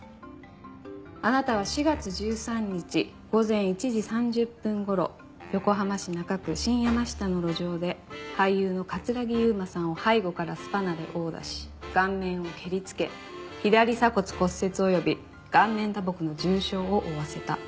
あなたは４月１３日午前１時３０分頃横浜市中区新山下の路上で俳優の城悠真さんを背後からスパナで殴打し顔面を蹴りつけ左鎖骨骨折及び顔面打撲の重傷を負わせた。